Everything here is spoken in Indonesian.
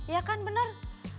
ya kan benar